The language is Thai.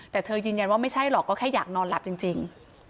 แต่เธอยืนยันว่าไม่ใช่หรอกก็แค่อยากนอนหลับจริง